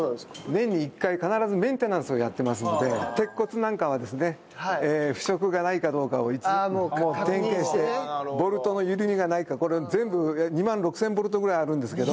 年に一回必ずメンテナンスをやってますので鉄骨なんかはですね腐食がないかどうかを点検してボルトの緩みがないか全部２万６０００ボルトぐらいあるんですけど。